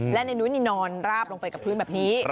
และนายนุ้ยนี่นอนราบลงไปกับพื้นแบบนี้